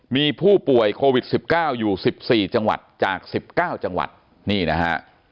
มีผู้ป่วยโควิด๑๙อยู่๑๔จังหวัดจาก๑๙จังหวัดนี่นะฮะ